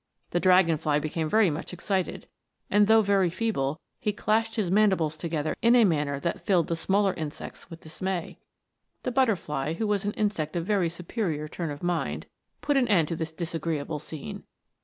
The dragon fly became very much excited, and though very feeble, he clashed his mandibles together in a manner that filled the smaller insects with dismay. The butterfly, who was an insect of a very superior turn of mind, put an end to this disagreeable scene.